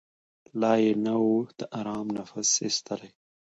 لا یې نه وو د آرام نفس ایستلی